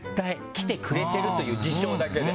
来てくれているという事象だけで。